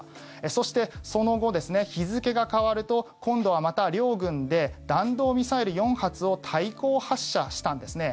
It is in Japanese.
そして、その後、日付が変わると今度はまた両軍で弾道ミサイル４発を対抗発射したんですね。